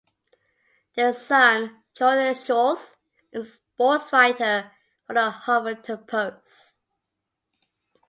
Their son Jordan Schultz is a sportswriter for "The Huffington Post".